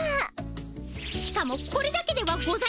しかもこれだけではございません。